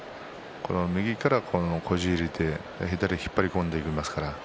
右からこじ入れて左を引っ張り込んでいますね。